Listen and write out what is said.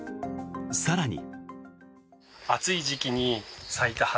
更に。